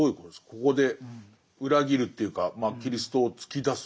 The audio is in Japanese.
ここで裏切るというかまあキリストを突き出す。